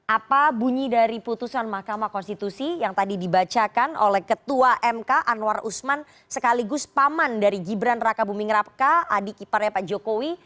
apa bunyi dari putusan mahkamah konstitusi yang tadi dibacakan oleh ketua mk anwar usman sekaligus paman dari gibran raka buming raka adik iparnya pak jokowi